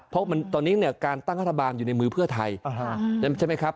เพราะตอนนี้เนี่ยการตั้งรัฐบาลอยู่ในมือเพื่อไทยใช่ไหมครับ